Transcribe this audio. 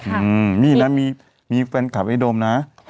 อืมมีดนะมีแฟนคลับไอ้โดมนะ